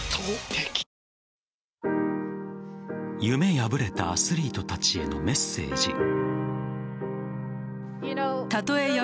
夢破れたアスリートたちへのメッセージ。